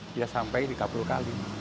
dia sampai tiga puluh kali